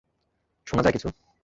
শুনা যায় কিছু?